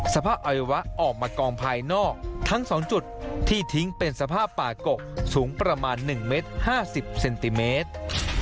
อวัยวะออกมากองภายนอกทั้ง๒จุดที่ทิ้งเป็นสภาพป่ากกสูงประมาณ๑เมตร๕๐เซนติเมตร